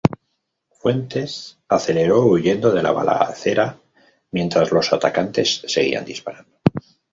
Fuentes aceleró, huyendo de la balacera, mientras los atacantes seguían disparando.